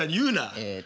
えっと。